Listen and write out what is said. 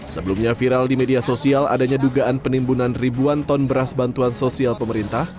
sebelumnya viral di media sosial adanya dugaan penimbunan ribuan ton beras bantuan sosial pemerintah